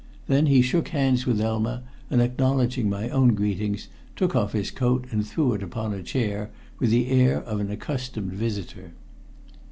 Then he shook hands with Elma, and acknowledging my own greetings, took off his coat and threw it upon a chair with the air of an accustomed visitor.